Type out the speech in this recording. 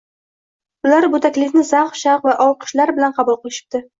Ular bu taklifni zavq-shavq va olqish¬lar bilan qabul qilishibdi